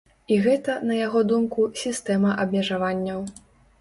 І гэта, на яго думку, сістэма абмежаванняў.